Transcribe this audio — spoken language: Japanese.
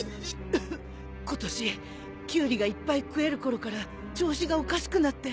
ケホことしキュウリがいっぱい食えるころから調子がおかしくなって。